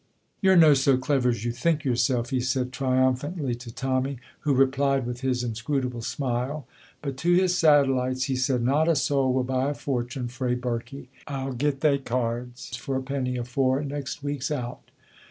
"You're no so clever as you think yoursel'!" he said triumphantly to Tommy, who replied with his inscrutable smile. But to his satellites he said, "Not a soul will buy a fortune frae Birkie. I'll get thae cards for a penny afore next week's out."